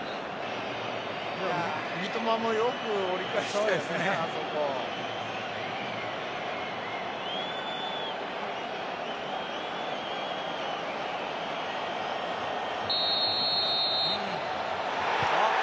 三笘もよく折り返しましたよね